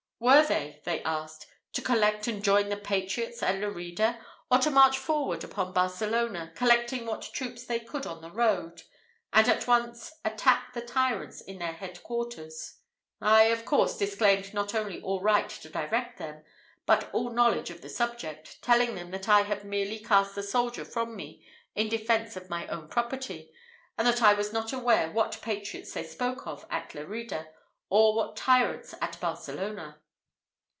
"Were they," they asked, "to collect and join the patriots at Lerida, or to march forward upon Barcelona, collecting what troops they could on the road, and at once attack the tyrants in their head quarters?" I of course disclaimed not only all right to direct them, but all knowledge of the subject, telling them that I had merely cast the soldier from me in defence of my own property, and that I was not aware what patriots they spoke of at Lerida, or what tyrants at Barcelona.